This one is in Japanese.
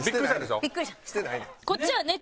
こっちはね